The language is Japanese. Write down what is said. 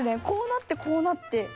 こうなってこうなって。